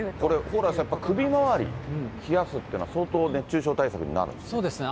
これ、蓬莱さん、やっぱり首回り冷やすっていうのは、相当、熱中症対策になるんでそうですね。